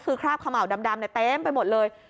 คือคราบเขม่าวดำเต็มไปหมดเลย